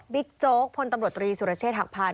บิ๊กโจ๊คพลตำรวจรีสุรเชษฐ์หักพลาณ